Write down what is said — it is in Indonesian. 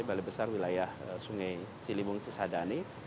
balai besar wilayah sungai cilibung cisadani